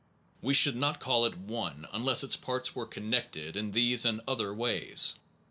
We should not call it one unless its parts were connected in these and other ways.